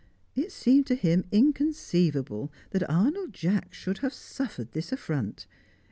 It seemed to him inconceivable that Arnold Jacks should have suffered this affront.